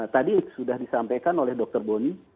tadi sudah disampaikan oleh dr boni